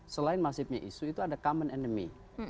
selain masifnya isu itu ada common enemy